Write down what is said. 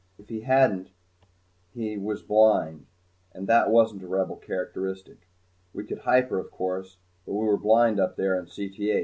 If he hadn't he was blind and that wasn't a Rebel characteristic. We could hyper, of course, but we were blind up there in Cth.